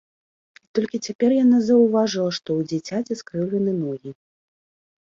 І толькі цяпер яна заўважыла, што ў дзіцяці скрываўлены ногі.